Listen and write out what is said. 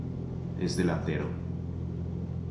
Es delantero.